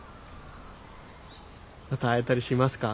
また会えたりしますか？